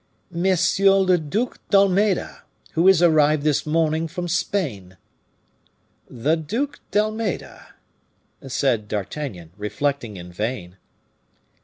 "M. le Duc d'Almeda, who is arrived this morning from Spain." "The Duc d'Almeda?" said D'Artagnan, reflecting in vain.